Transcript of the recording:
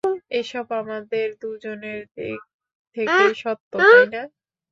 এসব আমাদের দুজনের দিক থেকেই সত্য, তাইনা?